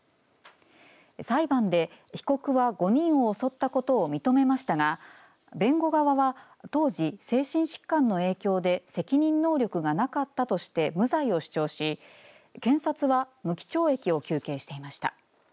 裁判で被告は５人を襲ったことを認めましたが弁護側は当時、精神疾患の影響で責任能力がなかったとして無罪を主張し検察は無期懲役を求刑していました。